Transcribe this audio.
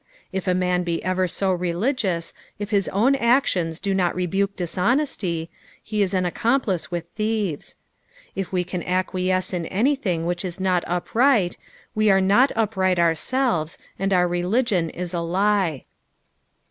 If a man be ever so religious, if his own actions do not rebuke dishonesty, he is an accomplice with thieves. If we can acquiesce in anything which is not upright, we are not upright ourselves, and our religion is a lie.